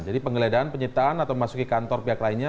jadi penggeledahan penyitaan atau memasuki kantor pihak lainnya